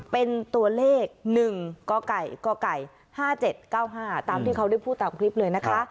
เป็นตัวเลข๑กไก่๕๗๙๕ตามที่เขาได้พูดตามคลิปเลยนะคะ